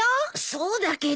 そうだけど。